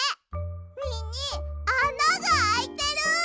みにあながあいてる。